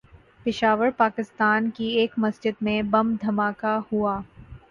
پشاور، پاکستان کی ایک مسجد میں بم دھماکہ ہوا